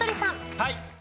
はい。